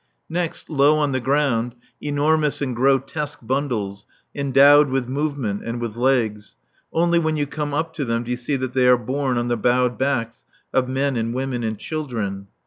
Next, low on the ground, enormous and grotesque bundles, endowed with movement and with legs. Only when you come up to them do you see that they are borne on the bowed backs of men and women and children.